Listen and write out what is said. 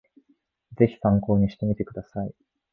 ぜひ参考にしてみてください